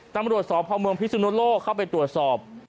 ตั้งบริวสอบพระมวงพิสุนโลกเข้าไปตรวจสอบ